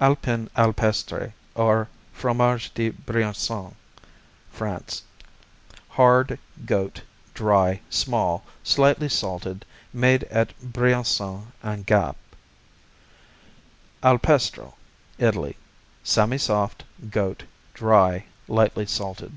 Alpestre, Alpin, or Fromage de Briançon France Hard; goat; dry; small; lightly salted. Made at Briançon and Gap. Alpestro Italy Semisoft; goat; dry; lightly salted.